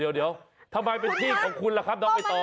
เดี๋ยวทำไมเป็นที่ของคุณล่ะครับน้องใบตอ